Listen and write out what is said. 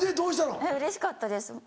うれしかったです